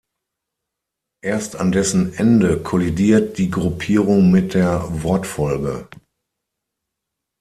Erst an dessen Ende kollidiert die Gruppierung mit der Wortfolge.